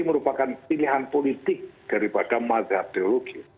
ini merupakan pilihan politik daripada masyarakat teologi